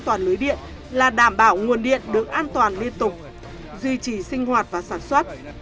an toàn lưới điện là đảm bảo nguồn điện được an toàn liên tục duy trì sinh hoạt và sản xuất